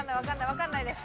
わかんないです。